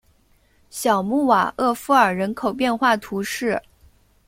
小穆瓦厄夫尔人口变化图示